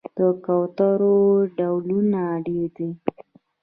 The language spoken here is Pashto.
د کوترو ډولونه ډیر دي